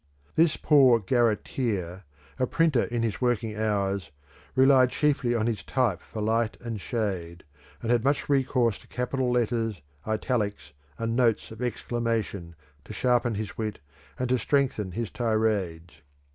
This poor garretteer, a printer in his working hours, relied chiefly on his type for light and shade, and had much recourse to capital letters, italics and notes of exclamation, to sharpen his wit, and to strengthen his tirades.